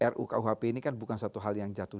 rukuhp ini kan bukan satu hal yang jatuh